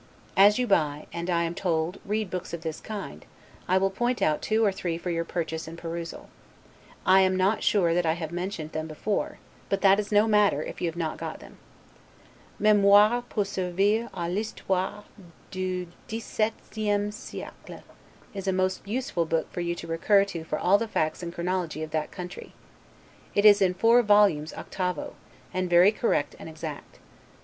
As you buy and (I am told) read books of this kind, I will point out two or three for your purchase and perusal; I am not sure that I have not mentioned them before, but that is no matter, if you have not got them. 'Memoires pour servir a l'Histoire du 17ieme Siecle', is a most useful book for you to recur to for all the facts and chronology of that country: it is in four volumes octavo, and very correct and exact.